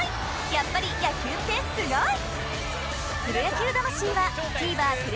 やっぱり野球ってすごい！